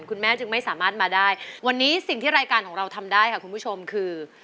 คุณแม่จึงไม่สามารถมาได้วันนี้สิ่งที่รายการของเราทำได้ค่ะคุณผู้ชมคือ